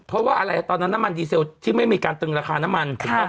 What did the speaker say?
เพราะว่าอะไรตอนนั้นน้ำมันดีเซลที่ไม่มีการตึงราคาน้ำมันถูกต้อง